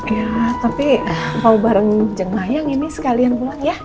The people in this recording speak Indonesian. iya tapi mau bareng jeng mayang ini sekalian pulang ya